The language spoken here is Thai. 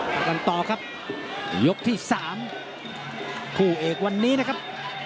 กันต่อครับยกที่สามคู่เอกวันนี้นะครับ